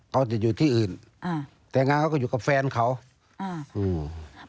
เขาจะอยู่ที่อื่นอ่าแต่งงานเขาก็อยู่กับแฟนเขาอ่าอืม